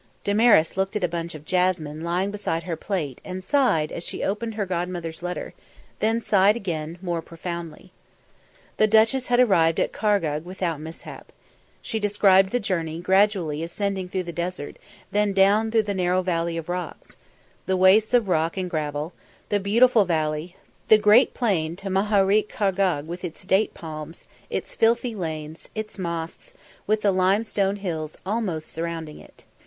Damaris looked at a bunch of jasmine lying beside her plate, and sighed as she opened her godmother's letter; then sighed again, more profoundly. The duchess had arrived at Khargegh without mishap. She described the journey, gradually ascending through the desert, then down through the narrow valley of rocks the wastes of rock and gravel the beautiful valley the great plain to Mahariq Khargegh with its date palms, its filthy lanes, its mosques, with the limestone hills almost surrounding it.